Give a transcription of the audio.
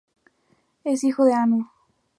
Es hijo de Anu.